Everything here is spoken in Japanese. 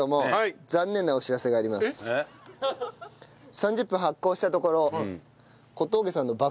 ３０分発酵したところ。